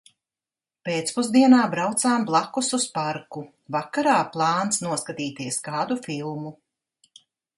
Pēcpusdienā braucām blakus uz parku. Vakarā plāns noskatīties kādu filmu.